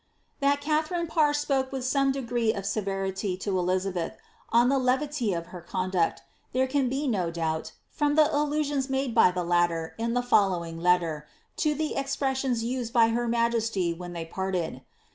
That Katharine Parr spoke with some degree of severity to Elizabeth, on the levity of her conauct, there can be no doubt, from the allusions made by the latter, in the following letter, to the expressions used by her majesty when they parted.